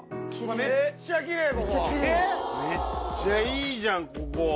めっちゃいいじゃんここ。